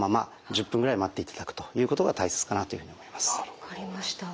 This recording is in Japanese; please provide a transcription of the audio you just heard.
分かりました。